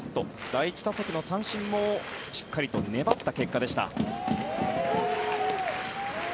第１打席の三振もしっかりと粘った結果でした。